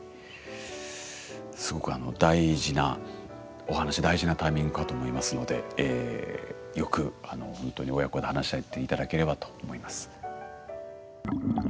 すごくあの大事なお話大事なタイミングかと思いますのでよくほんとに親子で話し合って頂ければと思います。